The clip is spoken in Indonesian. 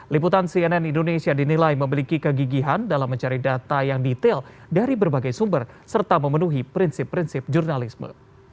liputan cnn indonesia dinilai memiliki kegigihan dalam mencari data yang detail dari berbagai sumber serta memenuhi prinsip prinsip jurnalisme